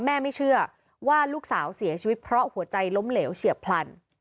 ไม่เชื่อว่าลูกสาวเสียชีวิตเพราะหัวใจล้มเหลวเฉียบพลัน